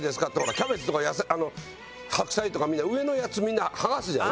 キャベツとか野菜白菜とかみんな上のやつみんなはがすじゃない？